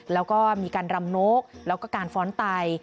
แล้วก็มีการรำนกแล้วก็การฟ้อนไต